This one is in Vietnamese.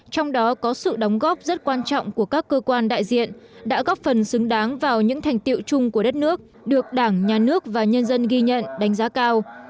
trong đó có sự đóng góp rất quan trọng của các cơ quan đại diện đã góp phần xứng đáng vào những thành tiệu chung của đất nước được đảng nhà nước và nhân dân ghi nhận đánh giá cao